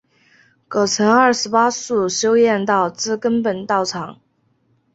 葛城二十八宿修验道之根本道场。